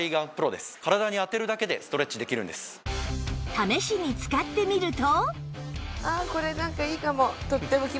試しに使ってみると